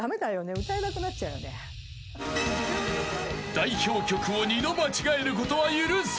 ［代表曲を２度間違えることは許されない］